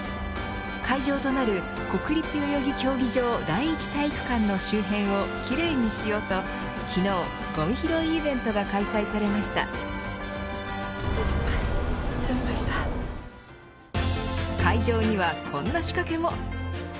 会場となる国立代々木競技場第一体育館の周辺を奇麗にしようと昨日ごみ拾いイベントが会場にはこんな仕掛けも。